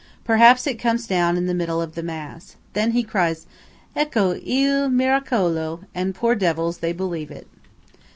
Perhaps it comes down in the middle of the mass. Then he cries 'Ecco il miracolo!'–and, poor devils! they believe it."